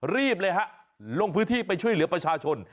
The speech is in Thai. รีบเลยฮะลงพื้นที่ไปช่วยเหลือประชาชน